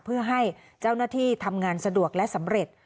เพื่อให้เจ้าหน้าที่ทำงานสะดวกและสำเร็จ